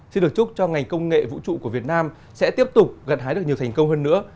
xin được chúc cho ngành công nghệ vũ trụ của việt nam sẽ tiếp tục gặt hái được nhiều thành công hơn nữa